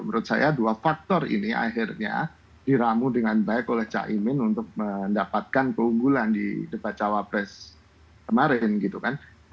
menurut saya dua faktor ini akhirnya diramu dengan baik oleh cak imin untuk mendapatkan keunggulan di debat cawapres kemarin gitu kan